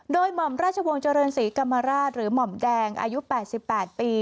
โดยหม่อมราชวงศ์เจริญศรีกรรมราชหรือหม่อมแดงอายุ๘๘ปี